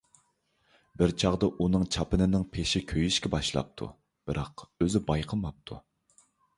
بىر چاغدا ئۇنىڭ چاپىنىنىڭ پېشى كۆيۈشكە باشلاپتۇ، بىراق ئۆزى بايقىماپتۇ.